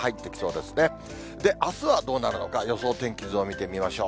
で、あすはどうなるのか、予想天気図を見てみましょう。